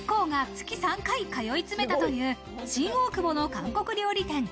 ＩＫＫＯが月３回通い詰めたという新大久保の韓国料理店